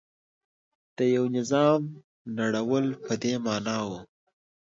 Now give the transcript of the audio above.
د یوه نظام نړول په دې معنا و.